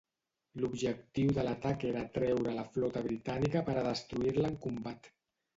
L'objectiu de l'atac era atreure a la flota britànica per a destruir-la en combat.